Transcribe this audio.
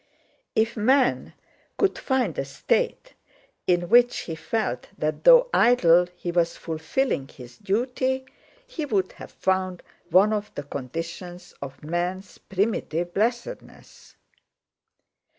If man could find a state in which he felt that though idle he was fulfilling his duty, he would have found one of the conditions of man's primitive blessedness.